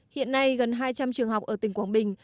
hiện nay gần hai trăm linh trường học ở tỉnh quảng bình